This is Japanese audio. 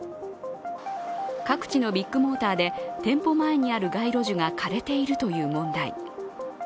各地のビッグモーターで店舗前にある街路樹が枯れているという問題。